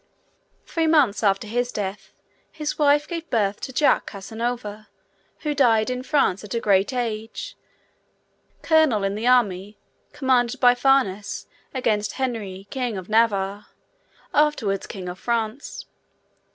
Three months after his death, his wife gave birth to Jacques Casanova, who died in France at a great age, colonel in the army commanded by Farnese against Henri, king of Navarre, afterwards king of France.